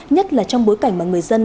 nhất là trong bối cảnh mà người dân